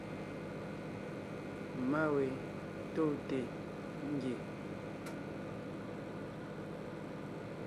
Má we tóonte ngie.